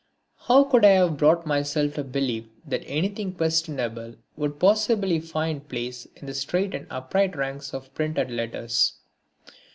How could I have brought myself to believe that anything questionable could possibly find place in the straight and upright ranks of printed letters?